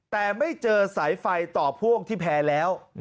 แต่ไม่เจอสายไฟต่อพ่วงที่แพร่แล้ว